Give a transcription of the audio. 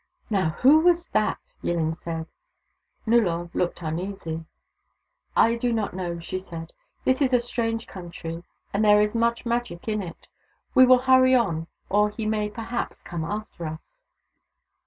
" Now, who was that ?" Yillin said. Nullor looked uneasy. " I do not know," she said. " This is a strange country, and there is much Magic in it. We will hurry on, or he may perhaps come after us."